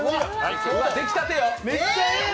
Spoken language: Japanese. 出来たてよ。